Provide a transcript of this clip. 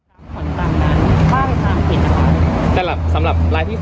เราก็ทุกอย่างก็คือดำเนินการไปตามกฎรายค่ะ